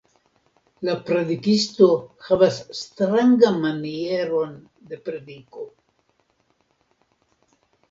La predikisto havas strangan manieron de prediko.